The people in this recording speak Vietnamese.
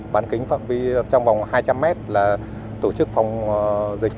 bán kính phạm vi trong vòng hai trăm linh mét là tổ chức phòng dịch